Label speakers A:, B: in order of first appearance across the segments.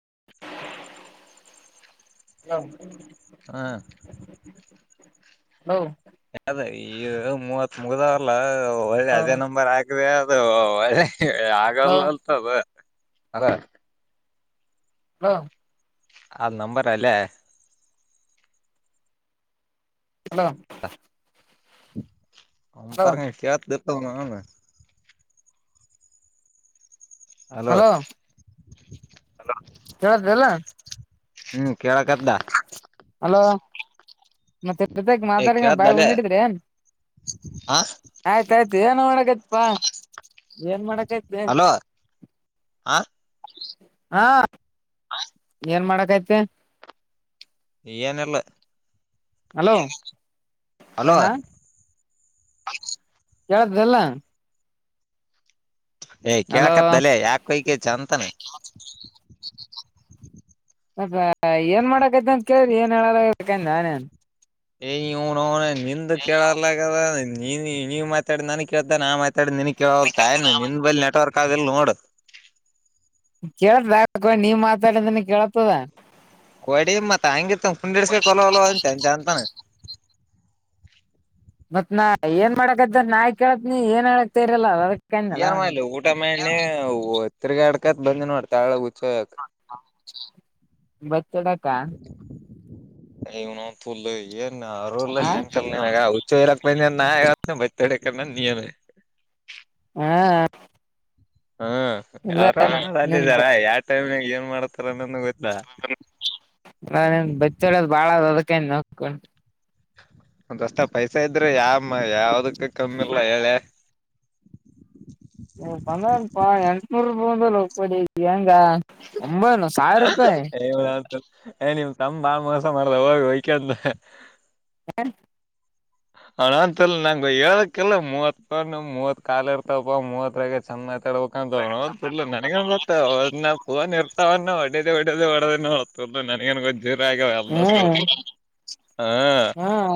A: [unintelligible] [unintelligible]
B: ಹಾ
A: ಹಲೋ
B: ಅದ ಇದು ಮೂವತ್ ಮುಗ್ದಾವಲ್ಲ ಹೋಳಿ ಅದೇ ನಂಬರ್ ಹಾಕ್ದೆ ಅದ
A: ಹಲೋ
B: ಆಗಲ್ಲ ಅಂತ ಅದ ಅದ
A: ಹಾ
B: ಅದ ನಂಬರ ಅಲ್ಲೇ
A: ಹಲೋ ಹಲೋ
B: [unintelligible] ಅಲೋ
A: ಹಲೋ ಕೇಳತದ ಇಲ್ಲಾ
B: ಹ್ಮ್ ಕೇಳಕ್ದ್ದ
A: ಹಲೋ ಮತ್ತೆ ಪ್ರತಿಕ್
B: ಏ
A: ಮಾತಾಡಿನ
B: ಕೇಳ್ದ
A: ಬಾಯಾಗ
B: ಅಲ್ಲೇ
A: ಬಂದಿದ್ರು
B: ಹ
A: ಆಯ್ತ ಆಯ್ತು ನ ಮಾಡಕೈತ್ಪಾ ಏನ್ ಮಾಡಕತಿ
B: ಆ
A: ಹಾ ಏನ್ ಮಾಡಕತಿ
B: ಏನಿಲ್ಲಾ
A: ಹಲೋ
B: ಅಲೋ
A: ಏನಾ ಕೇಳತದಿಲಾ
B: ಏ್
A: ಹಲೋ
B: ಕೇಳಕತ್ತದಲೆ ಯಾಕ ಹೊಯ್ಕೋತಿ ಸಂಜಿತನಕ
A: ಏನ್ ಮಾಡಕೈತಿ ಅಂತ ಕೇಳಿದ್ರಿ ಏನ್ ಹೇಳದಬೇಕ ನಾನೇನ್ [unintelligible]
B: [unintelligible] ನಿನಗ ಕೇಳವಾಲ್ಟ್ ಏನ್ ನಿನ್ ಬಲೀ ನೆಟ್ವರ್ಕ್ ಆದಿಲ್ ನೋಡ
A: ಕೇಳಳ್ತ ನೀವ ಮಾತಾಡದನ ಕೇಳತದ
B: ಕೋಡಿ ಮತ್ ಹಂಗಿರ್ತ ಪುಂಡಿಡ್ಸ್ಕ ಕೊಲಲ ಅಂತ ಜಂತಾನ
A: ಮತ್ ನಾ ಏನ್ ಮಾಡಕದ ನಾಕ್ ಕೇಳತ್ ನೀ ಏನ್ ಹಕ್ತ ಇರಲ್ಲ ಅದಕ್ಕೆ
B: ಜನ್ ಮಾಡಲಿ ಊಟ ಮಣ್ಣೆ ಒ ತಿರಿಗಾಡ್ ಕ ಬಂಂದನ ಮಾಡತ ಆಳ ಗುಚ್ಚೋ
A: ಕಾ
B: ಯವ ನ ತುಲ್ ಏನ್ ಅೂರ್ಲ್ಲ ಸತಲ್ ನನ್ಗ ಹುಚ್ಚ ಇರಕ್ ಬಂದ ನ ಬತಡಕನ್ನ ನೀಿಯಮೇ
A: ಹಾ
B: ಹ್ಮ ಅವ್ರ ನಾ
A: ನಿನ್
B: ಅಂದಿದ್ದಾರ ಯಾವ ಟೈಮ್ಾಗ ಏನ್ ಮಾಡತಾರನ್ನಂದು ಗೊತ್ತಾ
A: ನನ್ ಬಚ್ಚಡೋದು್ ಬಾಳ ಅದಕ ನೋಡ್ಕೊಂಡು
B: ಒಂದಷ್ಟ ಪೈಸಾ ಇದ್ರೆ ಯ ಯಾವದಕ್ಕೆ ಕಮ್ಮಿಿಲ್ಲ ಹೇಳೆ
A: ಬಂದಪಾ ಎಂಟನೂರು ರೂಪಾಯಿ ಬಂದಪಡ ಹೆಂಗ ಒಂಬೈನು ಸಾವಿರ ರೂಪಾಯಿ
B: ತ ನ ನಮ್ ಬಾ ಮೋಸ ಮಾಡ್ದ ಹೋಗ ಹೊಯಕಂತ
A: ಹರಿ
B: ಹಣ ಅಂತಲ್ಲ ನಂಗ ಹೇಳಕಲ್ಲ ಮೂವತ್ ಮೂವತ್ ಕಾಲ ಇರ್ತಪ ಮೂವತ್ಗೆ ಚಂದ ತರ್ಬೇಕಂತೋ ನನಗ ಗೊ ಪನ್ ಇರ್ತಾವ ಒಡೇದ ಒಡೇದ ಹೊಡದ ನನ್ಗನ್ ಗೊ್ಿರ ಆಗ ಎಲ್ಲ ಸೌ
A: ಹ್ಮ್
B: ಹ
A: ಹ್ಮ್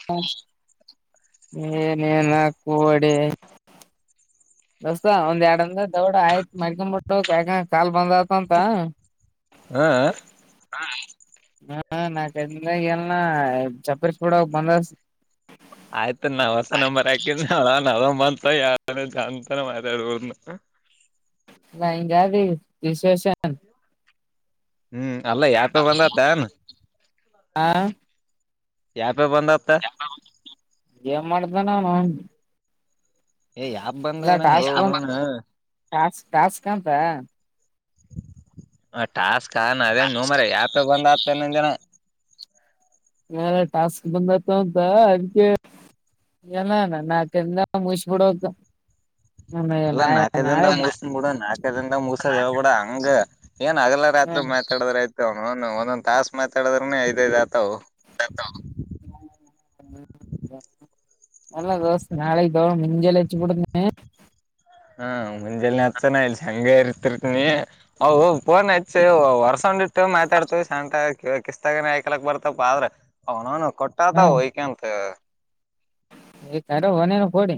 A: ಏನೇನ ಕಡಿ ದಸ್ತಾ ಒಂದ್ ಎರಡಂದ ದಡ ಆಯ್ತ್ ಮಕೊಂಡ ಮು ಕಾ ಬಂದ ಂತ
B: ಹ
A: ಹ ನ ಚಪ್ಪಸ್ಪಡ ಬಂದ
B: ಆಯ್ತ ನಾವ್ ಹೊಸ ನಂಬರ್ ಯಾಕಿದ ನಂತ ಯ ಜಂತಾನ ಮಾತಾಡ
A: ಭಯಂಗಾದ ವಿಶಷನ್
B: ಹ್ಮ್ ಅಲ್ಲ ಯಾಪ ಬಂದತನ್
A: ಹಾ
B: ಯ ಪೆ ಬಂದ ಅಪ್ಪತ
A: ಏನ್ ಮಾಡ್ದ ನ
B: ಏ್ ಯಾಪ್ ಬಂದದ ನಂಗಗೆ ಹೋಣನು
A: ಾಸ್ ಾಸ್ಕಂತ
B: ಹ ಟಾಸ್ಕ್ ಆಣ ಅದೇ ನೋ ಮರ ಯಾಪೆ ಬಂದ್ ಆತ ನ ದಿನ
A: ನ ಟಾಸ್ಕ್ ಬಂದತ ಅಂತ ಅದಕ್ಕೆ ಎಲ್ಲಣ ನಾ ತಂದ ಮುಬಿಡೋ
B: ಇಲ್ಲಾ ನಾಲ್ಕ ದಿಂದ ಮುಸ ಬಿಡ ನಾಲ್ಕ ದಿಂದ ಮುರ್ಸದವ ಬಿಡ ಹಂಗ ಏನ್ ಅಗಲ
A: ಹ
B: ರಾತ್ರಿ ಮಾತಾ ್ರ ಆಯ್ತ ಅವ ಒಂದೊಂದ್ ತಾಸ ಮಾತಾಡದ್ರನೆ ಐದ್ ಐದ್ ಆತಾವ
A: ಹ್ಮ್ ಹ ನಲ್ಲ ದೋಸ್ೆ ನಾೆಗೆ ದೋರ ಮಿಂಜಲ್ಲ ಹೆಚ್ಚು ಬಿಡ್ತನ
B: ಹಾ ಮುಂಜೆ ಅಚ್ಚನ ಇಲಿ ಹಂಗ ಇರ್ತಿರ್ ನೀ ಅವು ಪೋನ್ ಹಚ್ಚಿ ವರ್ಸೊಂಡ ಇಟ್ಟು ಮಾತಾಡ್ತ ಶಂತ ಕಿಸ್ತಾಗ ಆಯಕಲ ಬರ್ತಪ ಆದ್ರೆ ಅವನಾನ ಕೊಟ್ಟತ ಹೊಯಕಂತ
A: ಅಾರ ಹೊನೆಲು ಕೊೋಡಿ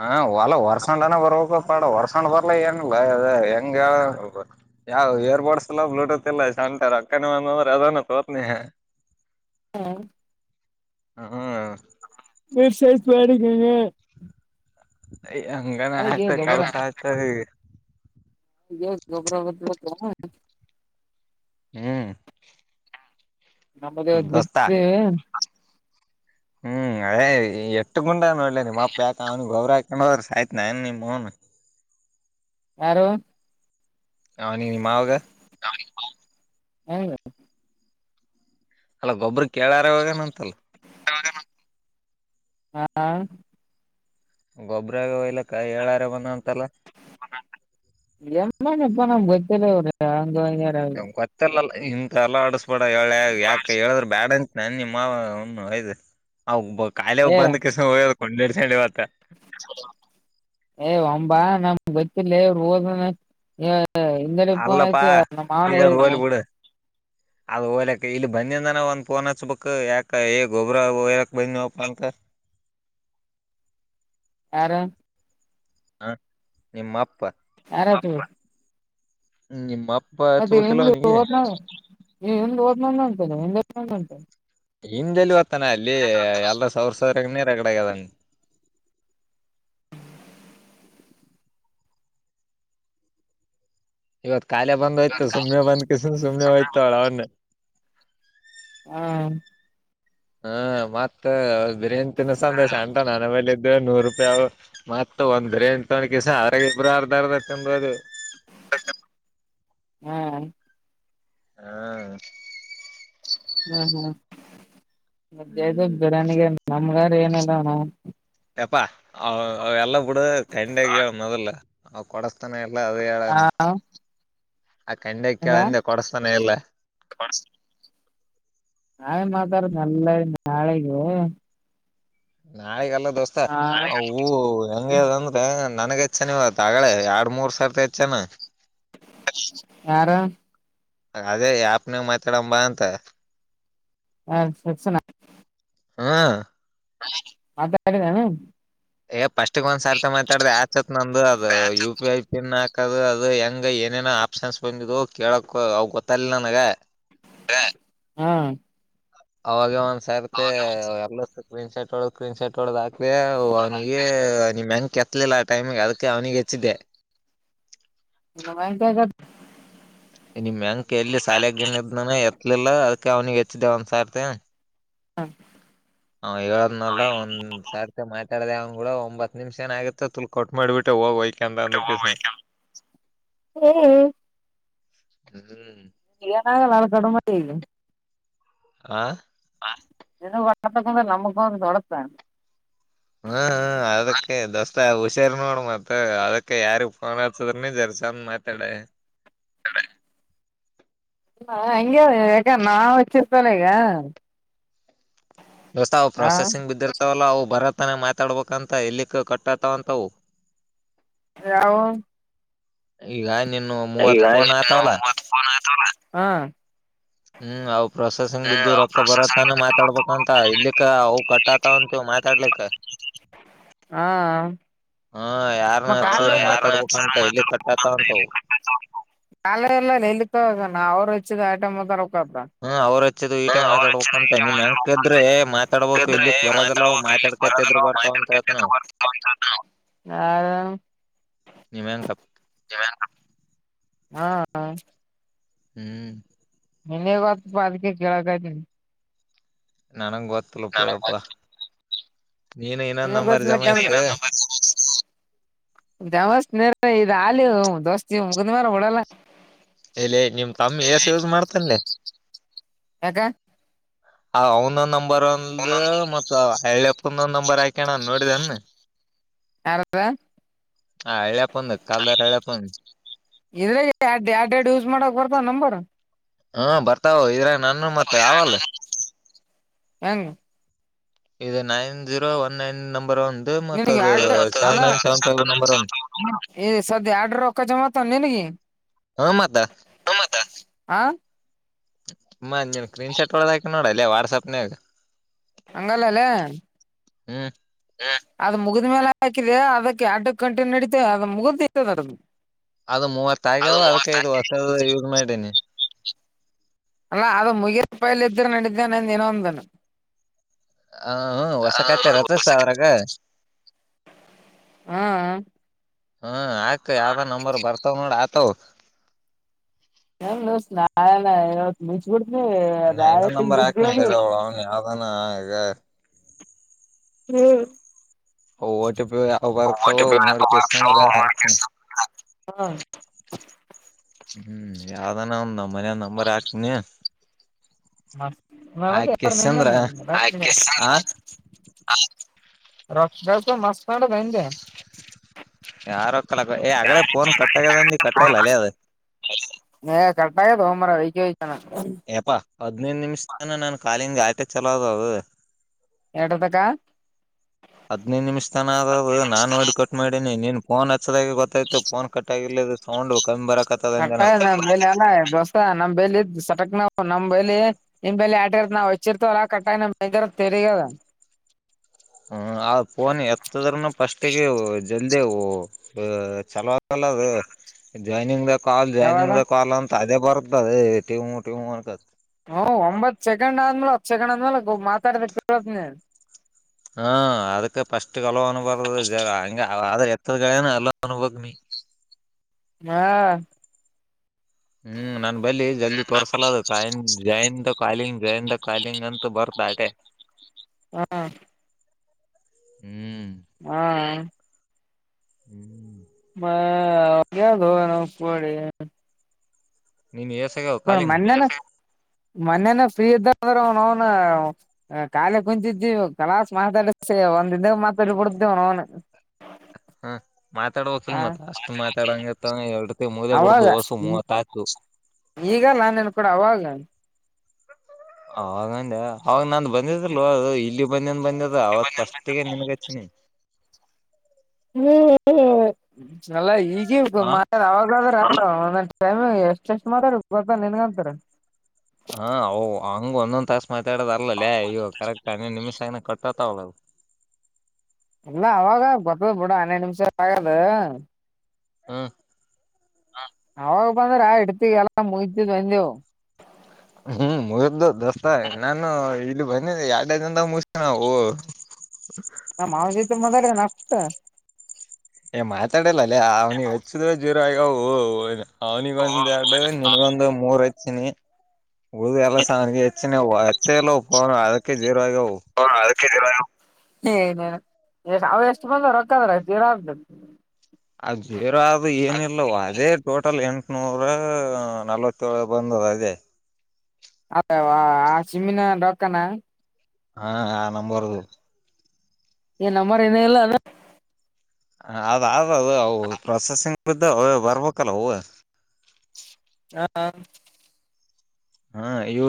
B: ಹಾ ಹೊಲ ಹೊರ್ಸಂಡ್ನ ಬರ್ಬೇಕ ಾಡ ಹೊರ್ಸಣ್ ಬರ್ಲ ಏನಿಲ್ಲ ಹೆಂಗ ಯಾವ ಇಯರ್ ಬಡ್ಸ್ ಇಲ್ಲ ಬ್ಲೂಟೂತ್ ಇಲ್ಲ ಟ ರಕ್ಕನೆ ಬಂದಂದ್ರೆ ಅದೆ ತೋರ್ತನ
A: ಹ್ಮ
B: ಹ್ಮ
A: ನಿರ್ಷತ್ ಮಾಡಡಿಕಗ
B: ಅಯ ಹಂಗನ ಆಯ್ತ ಕೆಲ್ಸ ಆಯ್ತದ
A: ಹ ಗೊಬ್ಬರ ಬಬೇಕ
B: ಹ್ಮ್ ದೋಸ್ತ
A: ನಮ್ಮದೇದ್ತ್
B: ಹ್ಮ್ ಅದೇ ಎಟ್ಟ ಗುಂಡ ನೋಡ್ಲ ನಿಮ್ಮಪ್ಪ ಯಾಕ ಅವ್ನು ಗೌರಾ ಹ ಆಯ್ತ್ ನಾಏನ್ ನಿಮನು
A: ಆ
B: ಹ ನೀ ಮಾವಗ
A: ಹ್ಮ
B: ಅಲ್ಲ ಗೊಬ್ಬ್ರ ಕೇಳಾರವಾಗನ ಅಂತಲ್ಲ
A: ಹಾ
B: ಗೊಬ್ಬರಾಗಲ್ಲ
A: ಎಮ ಪ ಗ ಅಂಗ ಯಾರ
B: ಇಂತಥ ಎಲ್ಲ ಆಡಸ್ಬೇಡ ಹೇಳ ಯಾಕ ಹೇಳಿದ್ರೆ ಬ್ಯಾಡ ಅಂತ ನಾನ ನಿಮ್ಮಯಬ ಕಾಲಿ ಬಂದ ಕ ಕೊಂಡಿಸೊಂಡಿ ಇವತ್ತ
A: ಅಬ ಬತ್ತ ರೋ ಇಡೆ ಪನತ
B: ಅಲ್ಲಪಾ
A: ನಮ್ಮ ಮಾನ
B: ಅದ ಹೋಗ್ಲಕ್ ಇಲ್ಲಿ ಬಂದಿದನ ಒಂದ್ ಪೋನ್ ಹಚ್ಬೇಕಕ್ ಯಾಕ ಏ ಗೊಬ್ರ ಓಯ್ಕ್ ಬಂದ್ವಪ್ಪ ಅಂತ
A: ಯರ
B: ಹ ನಿಮ್ಮ ಅಪ್ಪ
A: ಆರದು
B: ಹ್ಮ ನಿಮ್ಮ
A: ಮತ್ತೆ ಹ ಓದ ಓದನ ಅಂತೇನೆಂತನೆ
B: ಹಮ್ದಲ್ಲಿ ಹೊತ್ತಾನ ಅಲ್ಲಿ ಎಲ್ರ ಸಾವರ್ ಸಾವಿರಗ್ ನೀ ರಗಡೆಗದಾನ ಇವತ್ ಕಾಲ ಬಂದೋಯ್ತು ಸುಮ್ನೆ ಬಂದ್ ಕಿಸ ಸುಮ್ಮನೆ ಹೋಯ್ತವಳ ಅವನ್ನೆ
A: ಹಾ
B: ಹ್ಮ ಮತ್ತ ಬಿರಿನ್ ತಿನ್ನ ಸಂದೋಷ ಅಟ ನನ ಇ ನೂರು ರೂಪಾಯಿ ಮತ್ತ ಒಂದ್ರೆ ಎಂ ತಕಸಾರ ಇಬ್ಬರು ಅರ್ಧರ್ದ ತಿಂದದು
A: ಹ್ಮ್
B: ಹ್ಮ
A: ಹ್ಮ್ ಹ್ಮ್ ಮದದು
B: ಹ್ಮ್
A: ಬಿಡಾನಿಗೆ ನಮ್ಗಾರ ಏನಲ್ಲ ನಾ
B: ಯಪ್ಪಾ ಅವ ಎಲ್ಲ ಬಿಡು ಕಂಡಗ ಮೊದಲ್ ಅವ ಕೊಡಸ್ತಾನೆ ಇಲ್ಲ ಇಲ್ಲ ಅದ
A: ಹಾ
B: ಹೇಳಳನ್ ಆ ಕಂಡ
A: ಹಂಗ
B: ಕೇಳಂದೆ ಕೊಡಸ್ತಾನೆ ಎಲ್ಲ
A: ನಾಳೇ ಮಾತಾಡನೆಲ್ಲ ನಾಳೆಗೆ
B: ನಾಳಿಿಗೆಲ್ಲ ದೋಸ್ತ
A: ಹ
B: ಹೂ ಹೆಂಗಂದ್ರ ನನ್ಗೆ ಹೆಚ್ಚನ ಇವತ್ತು ಅಳೆ ಎರಡ್ ಮೂರ್ ಸಾವಿರದ ಹೆಚ್ಚನ
A: ಯಾರ
B: ಅದೇ ಯಪ್ನ ಮಾತಾಡ ಬಾ ಅಂತ
A: ಹ ಸಕ್ಷಣ
B: ಹಾ
A: ಆತಾರದಾನ
B: ಏ ಪಫಸ್ಟ್ಿಗೆ ಒಂದ್ ಸಾರ್ತಿ ಮಾತಾಡ್ದ ಯಚ್ತ್ ನಂದುು ಅದು ಯು ಪಿ ಐ ಪಿನ್ ಹದು ಅದು ಹೆಂಗ ಏನೇನೋ ಆಪ್ಷನ್ಸ್ ಬಂದು ಕೇಳಕ್ ಅವ ಗೊತ್ತಿಲ್ಲ ನನಗ
A: ಹಾ
B: ಅವಾಗ ಒಂದ್ ಸರ್ತೆ ಎಲ್ಲ ಕ್ರಲೀನ್ ಶರ್ಟ್ ಹೊಡ ಕ್ನ್ ಶರ್ಟ್ ಹೊಡದ್ಕ ವ ಮ್ಯಾಂ ಹತ್ತಲಿಲ್ಲ ಆ ಟೈಮಿಗೆ ಅದಕ್ಕೆ ಅವ್ನಿಗೆ ಹೆಚ್ಚಿದ್ದೆ
A: ಮ್ಮಗ
B: ನಿಮ್ ಬ್ಯಾಂಕ್ ಎಲ್ಲಿ ಸಾಲ ಗನ ಇದ್ನಾನ ಎತ್ತಲಿಲ್ಲ ಅದಕ ಅವ್ನಿಗೆ ಹೆಚ್ಚ್ದ ಒಂದ್ಸತಿ
A: ಹಾ
B: ಹ ಹೇಳದ್ನಲ್ಲ ಒಂದ್ ಸಾರ್ತಿ ಮಾಹ್ತಿ ಕಳದ ಅವ್ ಕೂಡ ಒಂಬತ್ ನಿಮಿಷ ಏ ಆಗುತ್ತತ್ತುಲ್ ಕಟ್ ಮಾಡಿಬಟ್ಟ ಹೋಗ್ೋಯ
A: ಹ್ಮ್.
B: ಹ್ಮ್.
A: [unintelligible]
B: ಆ,
A: [unintelligible]
B: ಹ್ಮ ಹ್ಮ ಅದಕ್ಕೆ ದಸ್ ಮತ್ತ ಹುಷಾರ್ ನೋಡು ಮತ್ ಅದಕ್ಕೆ ಯಾರಿಗಿ ಫೋನ್ ಹಚ್ಚಿದ್ರುನು ಜರ್ ಚಂದ್ ಮಾತಾಡ.
A: [unintelligible]
B: ದೋಸ್ತ ಅವು ಪ್ರೊಸೆಸಿಂಗ್ ಬಿದರ್ಥಲ್ಲವು ಬರ ತಾನ ಮಾತಾಡ್ಬೇಕಂತ ಇಲ್ಲಿಕ್ಕ ಕಟ್ಟತಾವಂತವು.
A: ಯಾವು.
B: ಈಗ ನಿನ್ನುವು ಮೂವತ್ ಪೋನ್ ಆತವಲ್ಲ.
A: ಮೂವತ್ ಫೋನ್ ಹ್ಮ್.
B: ಹ್ಮ್ ಅವ್ ಪ್ರೊಸೆಸಿಂಗ್ ಬಿದ್ದು ರೊಕ್ಕ ಬರತ್ತಾನ
A: ಪ್ರೊಸೆಸಿಂಗ್
B: ಮಾತಾಡ್ಬೇಕಂತ ಇಲ್ಲಿಕ್ಕ ಅವು ಕಟ್ಟಾತವಂತವ. ಮಾತಾಡ್ಲಿಕ್ಕ.
A: ಹಾ,
B: ಹಾ ಯಾರ್ನ ಹಚ್ಚದ್ರ ಮಾತಾಡ್ಬೇಕಂತ ಎಲ್ಲಿ ಕಟ್ಟಾತಾವಂತವು
A: [unintelligible]
B: ಹ್ಮ
A: [unintelligible]
B: ಅವ್ರ ಹಚ್ಚದು ಈಟೆ ಮಾತಾಡ್ಬೇಕಂತ ನಿಮ್ ಹೆಂಕದ್ರೆ ಮಾತಾಡ್ಬೇಕು ಇಲ್ಲಿಕ್
A: [unintelligible]
B: ಬರೋದಲ್ಲ ಅವ್ ಮಾತಾಡ್ಕತಿದ್ರ ಬರ್ತಾವ ಅಂತ ಹೇಳ್ತಾನವ್
A: [unintelligible]
B: ನಿಮ್ ಹೆಂಕ
A: [unintelligible] ಹ್ಮ್ ಹ್ಮ್.
B: ಹ್ಮ್.
A: ನಿನಗೆ ಗೊತ್ತಪ್ಪ ಅದ್ಕೇ ಕೇಳ್ಕತ್ತೀನಿ.
B: ನನಂಗ ಗೊತ್ತ ತಿಲಾಪ್ಪ ಎಪ್ಪ ನೀನು ಇನ್ನೊಂದ
A: ನಿನಗ್
B: ನಂಬರ್ ಜಮಸಾ
A: ಜಮಾಸ್ಥಿನಿ ಇದ ಆಲಿ ದೋಸ್ತ ಇದು ಮುಗಂದ ಮೇಲ್ ಬಿಡಲ್ಲ.
B: ಎಲೆ ನಿಮ್ ತಮ್ಮ ಎಸ ಯೂಸ್ ಮಾಡ್ತಾನಲೆ.
A: ಯಾಕ್.
B: ಒಂದೊಂದ್ ನಂಬರ್ ಒಂದ ಮತ್ ಎಳ್ಳ ಎಪ್ಂದೊಂದ್ ನಂಬರ್ ಹಾಕಣ ನೋಡಿದನ್.
A: ಯಾರ್ದ,
B: ಹಾ ಹಳ್ಳಪ್ಪಂದ್ ಕಲ್ದಾರ ಹಳ್ಳಪಂದ.
A: ಇದ್ರಾಗ ಎರಡ್ ಎರಡ್ ಎರಡ್ ಯೂಸ್ ಮಾಡಕ್ ಬರ್ತಾವ ನಂಬರ್
B: ಹ್ಮ್ ಬರ್ತಾವ ಇದ್ರಗ ನನ್ನವು ಮತ್ತ ಅವಲ್ಲ.
A: ಎಂಗ್.
B: ಇದ ನೈನ್ ಜೀರೋ ಒನ್ ನೈನ್ ನಂಬ ಸೆವೆನ್ ಫೈವ್ ನಂಬರ್ ಒನ್
A: [unintelligible] [unintelligible]
B: ಹ್ಮ್ ಮತ್ತಾ.
A: ಹಾ,
B: ಮ ನೀನ್ ಸ್ಕ್ರೀನ್ ಶಾಟ್ ಒಡದು ಹಾಕಿನಿ ನೋಡ ಲೆ ವಾಟ್ಸಾಪ್ನಾಗ.
A: ಹಂಗಲ್ಲ ಅಲ್ಲೇ ಹೊಲೆ.
B: ಹ್ಮ್.
A: ಅದ ಮುಗಿದ ಮೇಲೆ ಹಾಕಿದೆ ಅದಕ್ಕೆ ಎಡ್ಕ್ ಕಂಟಿನ್ಯೂ ನಡಿತವೆ ಅದ ಮುಗ್ದದದ.
B: ಅದ ಮೂವತ್ತ ಆಗ್ಯಾವ ಅದ್ಕ ಇದು ಹೊಸದ ಯೂಸ್ ಮಾಡೀನಿ.
A: ಅಲ್ಲಾ ಅದು ಮುಗಿಯಿದ ಪೈಲ್ ಇದ್ರೆ ನಡಿದ್ದೇನೆಂದ ಏನೊಂದನು.
B: [unintelligible]
A: ಹ್ಮ.
B: ಹ್ಮ್ ಹಾಕ್ ಯಾವ್ದನಾ ನಂಬರ್ ಬರ್ತಾವ ನೋಡ ಆತವ.
A: [unintelligible]
B: ನ ಇನ್ನೊಂದ್
A: ನಾಳೆ
B: ನಂಬರ್ ಹಾಕ್ನ ತಗ
A: ಮುಚ್ಬಿಡೋದು
B: ಅವಳ ಅವ ಯಾವ್ದಾನಗ.
A: ಹು
B: ಓ ಟಿ ಪಿ ಯಾವ್
A: [inaudible] ಆ
B: ಬರ್ತಾವೋ
A: ಟಕ್
B: ನೋಡ್ಕೇಸಂದ್ರ ಹಾಕ್ತೀನಿ ಹು ಯಾವ್ದಾನ ಒಂದ ಮನ್ಯಾದ್ ನಂಬರ್ ಹಾಕ್ತನಿ
A: [inaudible]
B: ಆ
A: ರಕ್ಷಗಸು ಮಸ್ತ ಹೊಡದ ಅಂದ
B: ಯಾರೋ ಕಲಕ ಏ ಆಗಲೇ ಫೋನ್ ಕಟ್ಟಾಗ್ಯದಂದಿ ಕಟ್ಟಾಗಿಲ್ಲ ಅಲೆ ಅದ
A: [inaudible] ಏನ
B: ಹದ್ನೈದ ನಿಮಿಷ ತನ ನಾನನ್ ಕಾಲಿನ ಆಟೆ ಚಲೋದದು
A: ಎಟತಕ್ಕಾ
B: ಹದೈದು ನಿಮಿಷ ತನ ಆದದು ನಾನು ನೋಡಿ ಕಟ್ ಮಾಡಿನಿ ನೀನ್ ಫೋನ್ ಹಚ್ಚದಾಗಿ ಗೊತ್ತಾಯ್ತು ಫೋನ್ ಕಟ್ ಆಗ ಇಲ್ಲದು ಸೌಂಡು
A: ಕಟ್ಟ ನಮ್ ಬೆ ಅಲ್ಲ ದಸ ನಮ್ಮ್ಲ್ ಇದ್ ಸಟಕ್ ನ ನಮ್ಮ ಬೆಲಿ ನಿಮ್ಮ ಬೆಲಿ ಆಟಗರತ್ತ ನಾವ್ ಹಚ್ಚಿರ್ತವಲ್ಲ ಕಟ್ಟಾಗಿ ನಿರ ತೆರಗದ
B: ಹು ಆ ಫೋನ್ ಎತ್ತದರನ ಫಸ್ಟ್ ತ್ತಿಗೆವು ಜಲ್ದಿವು ಅ ಚಲವತಲ್ಲ ಜೋನಿಂಗ್ ಕಾಲ್
A: ಯಾವಾಗ
B: ಜಾಯ್ನಿಂಗ್ ಕಾಲ್ ಅಂತ ಅದೇ ಬರ್ತ್ತದೆ ಟೀವ ಟೀವ ಅಂತ
A: ಹು ಒಂಬತ್ ಸೆಕೆಂಡ್ ಆದ್ಮೇಲೆ ಹತ್ತ ಸೆಕಂಡ್ ಆದ್ಮೇಲೆ ಮಾತಾಡ್ಬೇಕ ಕೇಳತೀನಿ
B: ಹ ಅದಕ್ಕ ಫಸ್ಟ್ ಹಲೋ ಅನ್ಬಾರ್ದ್ರ ಜರಾ ಹಂಗ ಅದ ಎ ಅಂತಾ ಗಾಯನ ಅಲ್ಲಾ ಅನಬೇಕು ನಿ
A: ಮ್ಮಾ
B: ಹು ನಾನ್ ಬಲ್ಲಿ ಜಲ್ದಿ ತೋರ್ಸಲ ಅದು ಕಾಯ join the calling join the calling ಅಂತ ಬರ್ ಸಾಕಾಗಿ
A: ಹು
B: ಹು
A: ಆ ಹು
B: ಹು
A: ಮ ಅವರಿಗೆ ಹೇಳು ರಫ್ ಹೊಡಿ
B: ನೀನ್ನ್ ಎಷ
A: ಪಡ ಮನ್ನೆನ್ ಮೊನ್ನೆನ ಫ್ರೀ ಇದ್ದಂಗ ಅವ ಅವನ ಕಾನಿ ಕುಂಚಿದಿ ಕಲಾಸ್ ಮಾತಾದಚಾಯ್ ಒಂದಇದು ಮಾತಾಡಿ ಬಿಡತೇವ ಅವನೋವುನ
B: ಹ ಮಾತಾಡಬೇಕಕ್ಲ್ ಮತ್ರ ಅಷ್ಟ್ ಮಾತಾಡಂಗತ್ತ ಎರಡು ಮುದೆ ಬಿಡ್ದು ಹೊಸು ಮೂವತ್ ಆತು
A: ಈಗ ನಾನೇನ್ ಕೂಡ ಅವಾಗ
B: ಆವಾಗಂದೆ ಅವಾಗ ನಂದ ಬಂದಿದಿಲ್ಲೋ ಅದು ಇಲ್ಲಿ ಬಂದನ್ ಬಂದಿದ ಅವತ್ ಫಸ್ಟ್ಗೆ ನಿನ್ಗಚ್ಚಿನಿ
A: ಹು ಹು ಅಲ್ಲ ಈಗ ಈಗ
B: ಹ
A: ಮಾತಾಡ ಅವಾಗಾದ್ರ ಅಲ್ಲ ಮತ್ತ ಎಷ್ಟು ಚೆಕ್ ಮಾಡಾರ ಗೊತ್ತಾ ನಿನಗಂತರ
B: ಹಾ ಹು ಹಂಗ ಒಂದೊಂದ್ ತಾಸಸ್ ಮಾತಾಡೋದ ಅರ್ಲ್ಲಲ್ಲೇ ಕರೆಕ್ಟ್ ಹನ್ನೇ ನಿಮಿಷ ಆಗ ಕಟ್ಟ ಹೌದು
A: ಇಲ್ಲ ಅವಾಗಾ ಬರ್ತದ ಬಿಡ ಹನೈದು ನಿಮಿಷ ಅದು
B: ಹ
A: ಹ ಅವಾಗ ಬಂದ್ರ ಆ ಇಡ್ತಿ ಅಲ್ಲ ಮುಗಸೀದವು ಬಂದೆವು
B: ಹು ಮುಗುದ ದಸ್ತ ನಾನು ಇಲ್ಲಿ ಬಂದ ಎರಡದಿನದಾಗ ಮುಗತ ನಾವು ಪ್ಚ್ ಜಿಜಿಜಿಜ್
A: ನ ಮಾವನ ಜೊತಿ ಮಾತಾಡೇನಿ ಅಷ್ಟು
B: ಏ ಮಾತಾಡಲ್ಲಿಲ್ಲ ಅವ್ನು ಹೆಚ್ಚಿದ ಜೀರೊ ಆಗ್ಯಾವು ಉಯ ಅವನಿಗೆ ಒಂದ್ ಎರಡು ನಿನ್ಗೊಂದು ಮೂರ್ ಹಚ್ಚಿನಿ ಉಳಿದಿದ್ವು ಎಲ್ಲಾ ಸಾರಿಗೆ ಹಚ್ಚೇನಿ ಅವು ಹತ್ತೇಲವು ಫೋನ್ ಅದಕ್ಕೆ ಜೀರೋ ಆಗ್ಯಾವವು
A: ಏ ಅವ ಎಷ್ಟು ಬಂದ ರೊಕ್ಕ ತವ
B: ಅದು ಬೇರ ಅ ಏನಿಲ್ಲ ಅದೇ ಟೋಟಲ್ ಎಂಟನೂರ ನಲ್ವತ್ತೇಳ ಬಂದು ಹೌ ಅದೇ
A: ಅದ ಆ ಸಿಮ್ಮಿನ ಡೊಕ್ಕಾನ
B: ಹಾ ಆ ನಂಬರ್ ದು
A: ಏ ನಂಬರ್ ಇನ ಇಲ್ಲ ಅಲ್ಲ
B: ಹ ಅದಾದ್ರ ಅದು ಅವು ಪ್ರೊಸೆಸಿಂಗ್ ಬಿದ್ದ ಬರ್ಬೇಕಲ್ಲ ಅವು
A: ಹಾ
B: ಹಾ ಇವು